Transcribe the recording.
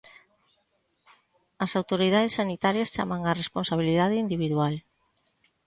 As autoridades sanitarias chaman á responsabilidade individual.